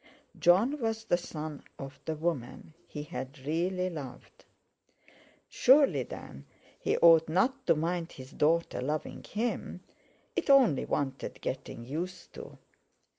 Jon was the son of the woman he had really loved. Surely, then, he ought not to mind his daughter loving him; it only wanted getting used to.